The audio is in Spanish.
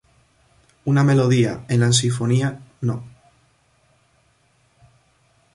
Una melodía en la sinfonía no.